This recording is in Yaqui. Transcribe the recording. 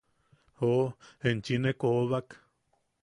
¡Joo, enchi ne koobak!